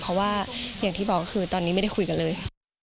เพราะว่าอย่างที่บอกคือตอนนี้ไม่ได้คุยกันเลย